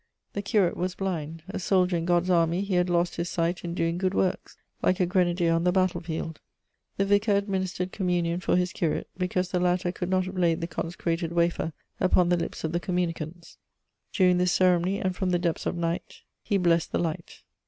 The curate was blind: a soldier in God's army, he had lost his sight in doing good works, like a grenadier on the battlefield. The vicar administered communion for his curate, because the latter could not have laid the consecrated wafer upon the lips of the communicants. During this ceremony, and from the depths of night, he blessed the light!